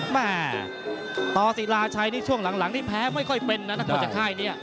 มาตอศิราชัยช่วงหลังนี่แพ้ไม่ค่อยเป็นน่ะนะคนจากค่ายนี้